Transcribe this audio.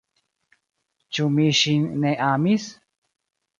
Ĉu mi ŝin ne amis?